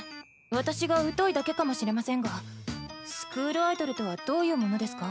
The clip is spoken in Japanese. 私が疎いだけかもしれませんがスクールアイドルとはどういうものですか？